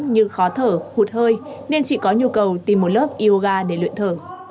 như khó thở hụt hơi nên chị có nhu cầu tìm một lớp yoga để luyện thở